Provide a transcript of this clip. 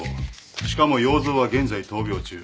しかも要造は現在闘病中。